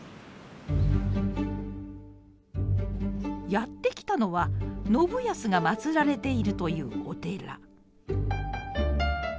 やって来たのは信康が祭られているというお寺。